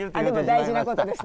でも大事なことです